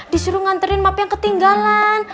disuruh nganterin map yang ketinggalan